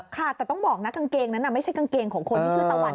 ค่ะแต่ต้องบอกนะกางเกงนั้นไม่ใช่กางเกงของคนที่ชื่อตะวัน